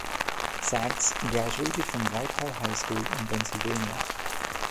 Sags graduated from Whitehall High School in Pennsylvania.